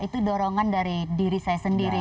itu dorongan dari diri saya sendiri